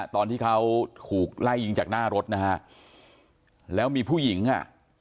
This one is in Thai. ตอนที่เขาถูกไล่ยิงจากหน้ารถนะฮะแล้วมีผู้หญิงอ่ะ